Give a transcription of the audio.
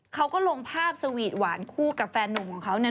เขาก็ลงภาพสวีทหวานคู่กับแฟนนุ่มของเขาเนี่ย